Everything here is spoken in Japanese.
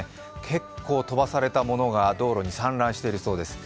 結構飛ばされたものが道路に散乱しているそうです。